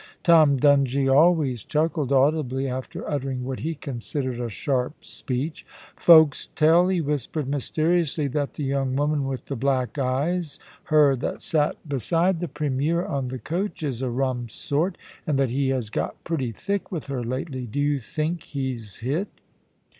Tom Dungie always chuckled audibly after uttering what he considered a sharp speech. * Folks tell,' he whispered mysteriously, * that the young woman with the black eyes — her that sat beside THE PREMIEF^S STOREKEEPER. 21 the Premier on the coach — is a rum sort, and that he has got pretty thick with her lately. Do you think he*s hit